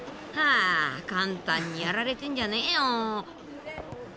あ簡単にやられてんじゃねぇよ。